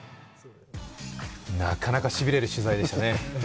なかなかシビれる取材でしたね。